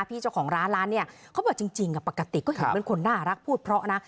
พี่เจ้าของร้านร้านเนี่ยเขาบอกจริงปกติก็เห็นเป็นคนน่ารักพูดเพราะนะ